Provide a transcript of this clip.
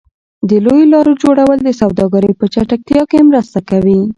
د لویو لارو جوړول د سوداګرۍ په چټکتیا کې مرسته کوي.